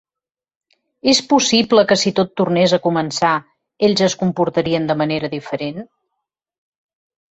És possible que si tot tornés a començar, ells es comportarien de manera diferent?